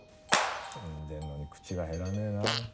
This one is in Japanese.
死んでるのに口が減らねえな。